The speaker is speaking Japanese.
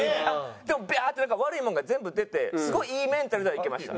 でもビャーってなんか悪いもんが全部出てすごいいいメンタルではいけました。